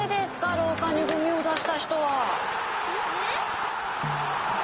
ろうかにゴミをだしたひとは。えっ？